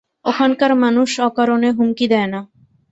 ওখানকার মানুষ অকারণে হুমকি দেয় না।